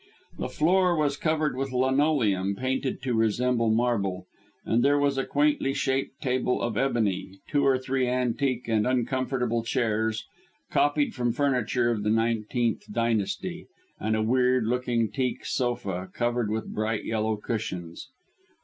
The floor was covered with linoleum painted to resemble marble, and there was a quaintly shaped table of ebony, two or three antique and uncomfortable chairs, copied from furniture of the XIX. Dynasty, and a weird looking teak sofa, covered with bright yellow cushions.